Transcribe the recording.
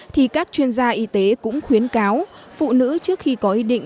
thì các chuyên gia y tế cũng khuyến cáo phụ nữ trước khi có ý định